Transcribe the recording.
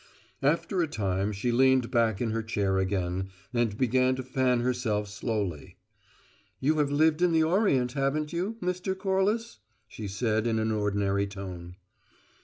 After a time she leaned back in her chair again, and began to fan herself slowly. "You have lived in the Orient, haven't you, Mr. Corliss?" she said in an ordinary tone.